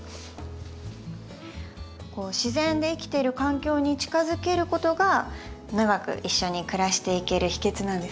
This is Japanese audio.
自然で生きてる環境に近づけることが長く一緒に暮らしていける秘けつなんですね。